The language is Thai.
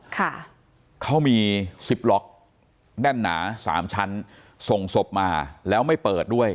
ค่ะเขามีสิบล็อกแน่นหนาสามชั้นส่งศพมาแล้วไม่เปิดด้วย